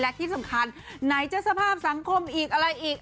และที่สำคัญไหนจะสภาพสังคมอีกอะไรอีก